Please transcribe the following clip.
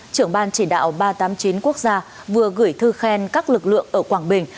trưởng ban chỉ đạo ba trăm tám mươi chín quốc gia vừa gửi thư khen các lực lượng ở quảng bình